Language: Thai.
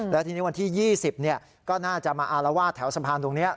แล้วทีนี้วันที่๒๐ก็น่าจะมาอารวาสแถวสะพานตรงนี้